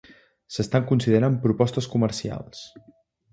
S'estan considerant propostes comercials.